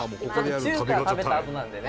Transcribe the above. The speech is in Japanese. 「中華食べたあとなんでね」